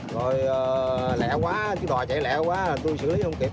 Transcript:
rồi lẹ quá chiếc đò chạy lẹ quá là tôi xử lý không kịp